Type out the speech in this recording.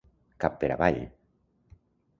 Cap per avall.